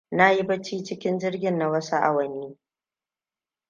Na yi bacci cikin jirgin na wasu awanni.